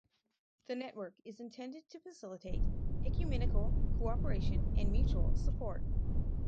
The network is intended to facilitate ecumenical cooperation and mutual support.